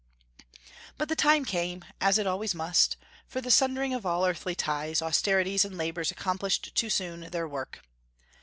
But the time came as it always must for the sundering of all earthly ties; austerities and labors accomplished too soon their work.